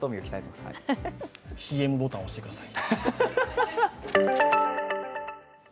ＣＭボタンを押してください。